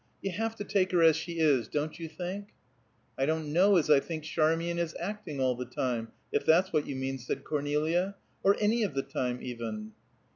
You have to take her as she is, don't you think?" "I don't know as I think Charmian is acting all the time, if that's what you mean," said Cornelia. "Or any of the time, even."